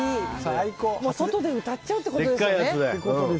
外で歌っちゃうってことですね。